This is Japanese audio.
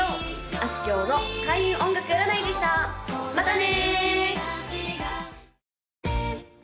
あすきょうの開運音楽占いでしたまたね！